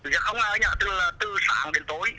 dạ không anh ạ tức là từ sáng đến tối